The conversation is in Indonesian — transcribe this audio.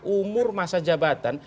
umur masa jabatan